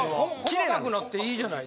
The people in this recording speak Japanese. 細かくなっていいじゃない。